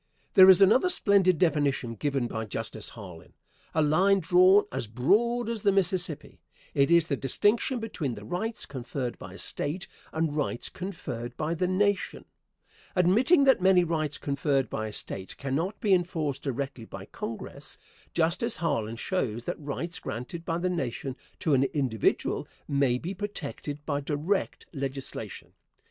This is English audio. There is another splendid definition given by Justice Harlan a line drawn as broad as the Mississippi. It is the distinction between the rights conferred by a State and rights conferred by the Nation. Admitting that many rights conferred by a State cannot be enforced directly by Congress, Justice Harlan shows that rights granted by the Nation to an individual may be protected by direct legislation.